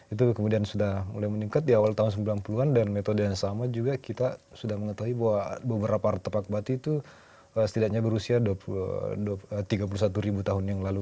itu kemudian sudah mulai meningkat di awal tahun sembilan puluh an dan metode yang sama juga kita sudah mengetahui bahwa beberapa artepak batu itu setidaknya berusia tiga puluh satu ribu tahun yang lalu